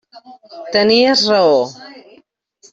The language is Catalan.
Tenies raó.